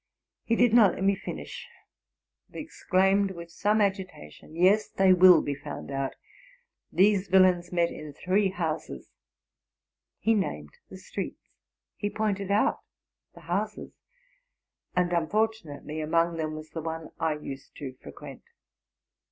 He did not let me finish, but exclaimed, with some pra oti 's Yes, they will be found out. These villains met in three houses. (He named the streets, he pointed out the houses, and, unfortunately, among them was the one I used to frequent.